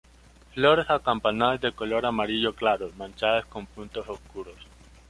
Flores acampanadas de color amarillo claro, manchadas con puntos oscuros.